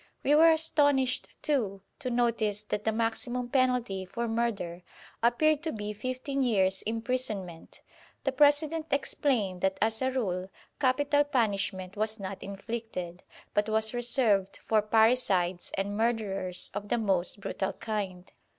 We were astonished, too, to notice that the maximum penalty for murder appeared to be fifteen years' imprisonment. The President explained that as a rule capital punishment was not inflicted, but was reserved for parricides and murderers of the most brutal kind.